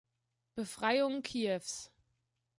Befreiung Kiews.